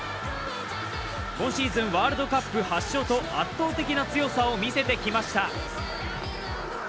今シーズンワールドカップ８勝と圧倒的な強さを見せてきました。